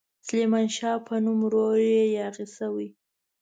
سلیمان شاه په نوم ورور یاغي شوی.